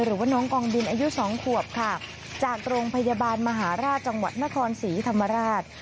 หรือว่าน้องกองบินอายุ๒ขวบค่ะจากโรงพยาบาลมหาราชจังหวัดนครศรีธรรมราช